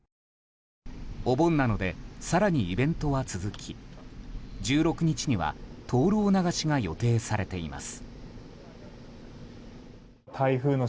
お盆なので更にイベントは続き１６日には灯籠流しが予定されています。